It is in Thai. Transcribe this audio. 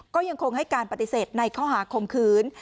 ก็ยังคงให้การปฏิเสธในข้อหาคมคืน